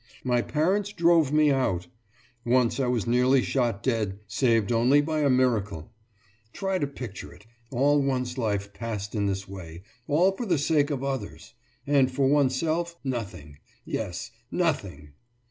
My parents drove me out. Once I was nearly shot dead, saved only by a miracle. Try to picture it all one's life passed in this way, all for the sake of others, and for oneself, nothing yes, nothing!